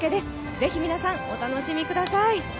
是非皆さんお楽しみください。